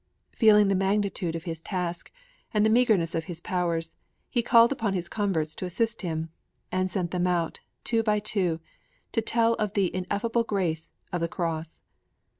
Feeling the magnitude of his task and the meagerness of his powers, he called upon his converts to assist him, and sent them out, two by two, to tell of the ineffable grace of the Cross.